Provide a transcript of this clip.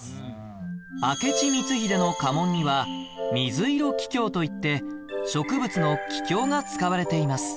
明智光秀の家紋には「水色桔梗」といって植物の桔梗が使われています